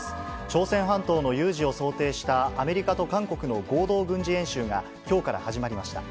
朝鮮半島の有事を想定したアメリカと韓国の合同軍事演習が、きょうから始まりました。